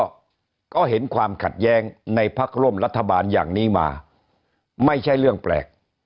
ก็เห็นความขัดแย้งในพักร่วมรัฐบาลอย่างนี้มาไม่ใช่เรื่องแปลก